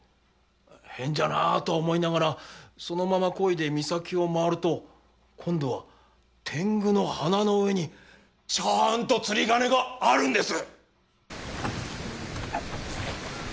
変じゃなあとは思いながらそのまま漕いで岬を回ると今度は天狗の鼻の上にちゃんと釣り鐘があるんです！